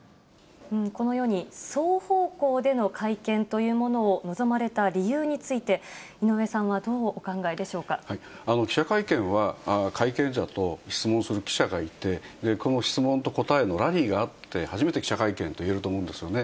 このように、双方向での会見というものを望まれた理由について、記者会見は、会見者と質問する記者がいて、この質問と答えのラリーがあって、初めて記者会見と言えると思うんですよね。